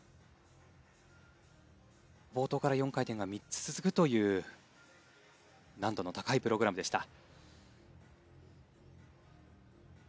冒頭から４回転が３つ続くという難度の高いプログラムでした。